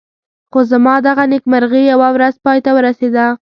خو زما دغه نېکمرغي یوه ورځ پای ته ورسېده.